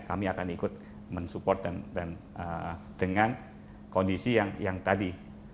kami akan ikut mensupport dengan kondisi yang tadi